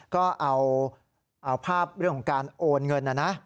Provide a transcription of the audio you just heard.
ก็เอาภาพเรื่องของการโอนเงินนะนะ